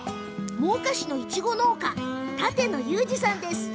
真岡市のいちご農家舘野裕重さんです。